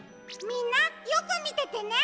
みんなよくみててね。